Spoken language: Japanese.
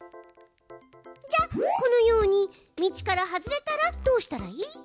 じゃあこのように道から外れたらどうしたらいい？